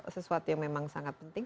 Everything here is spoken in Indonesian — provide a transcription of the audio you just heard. sesuatu yang memang sangat penting